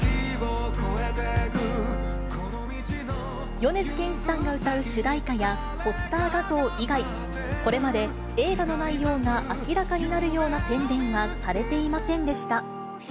米津玄師さんが歌う主題歌や、ポスター画像以外、これまで映画の内容が明らかになるような宣伝はされていませんでした。